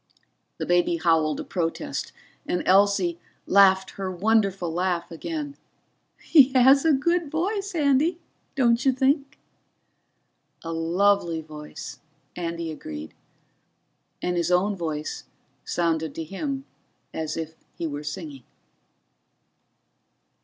The baby howled a protest, and Elsie, laughed her wonderful laugh again. "He has a good voice, Andy, don't you think?" "A lovely voice," Andy agreed, and his own voice sounded to him as if he were singing.